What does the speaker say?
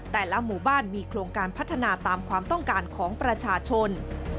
แต่ละหมู่บ้านมีโครงการพัฒนาตามความต้องการของประชาชน